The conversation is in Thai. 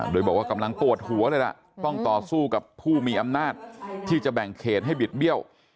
โดยบอกว่ากำลังปวดหัวเลยล่ะต้องต่อสู้กับผู้มีอำนาจที่จะแบ่งเขตให้บิดเบี้ยว